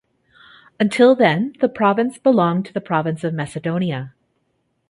Until then, the province belonged to the province of Macedonia.